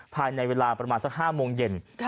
ภายในเวลาประมาณสัก๕โมงเย็น